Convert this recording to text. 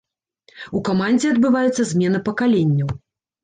У камандзе адбываецца змена пакаленняў.